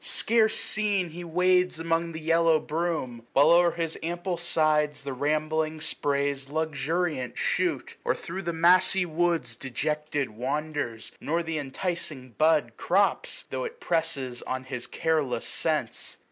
Scarce seen, he wades among the yellow broom. While o'er his ample sides the rambling sprays Luxuriant shoot ; or thro' the mazy wood Dejected wanders ; nor th' inticing bud 795 Crops, tho' it presses on his careless sense.